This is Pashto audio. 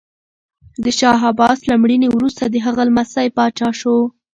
د شاه عباس له مړینې وروسته د هغه لمسی پاچا شو.